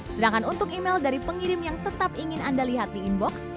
sedangkan untuk email dari pengirim yang tetap ingin anda lihat di inbox